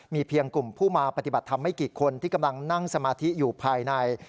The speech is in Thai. มีเพียงกลุ่มผู้มาปฏิบัติธรรมไม่กี่คนที่กำลังนั่งสมาธิอยู่ภายใน